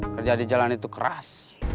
kerja di jalan itu keras